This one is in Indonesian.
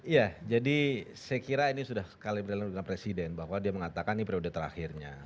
ya jadi saya kira ini sudah sekali berjalan dengan presiden bahwa dia mengatakan ini periode terakhirnya